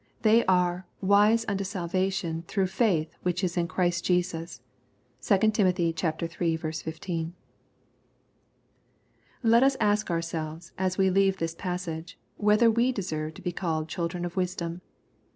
They are '^ wise unto salvation, through faith which is in Christ Jesus." (2 Tim. iii. 15.) Let us ask ourselves, as we leave this passage, whether we deserve to be called children of wisdom